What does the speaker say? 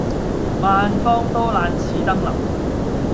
萬方多難此登臨。